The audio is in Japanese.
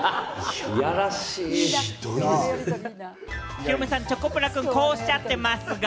ヒロミさん、チョコプラさん、こうおっしゃってますが。